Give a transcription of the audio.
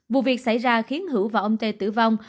vụ việc xảy ra khiến hữu và ông tê tử vong